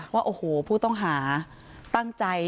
ว่าผู้ต้องหาตั้งใจ